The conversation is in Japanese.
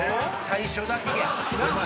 最初だけ！